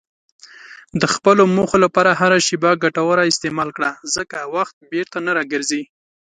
د خپلو موخو لپاره هره شېبه ګټوره استعمال کړه، ځکه وخت بیرته نه راګرځي.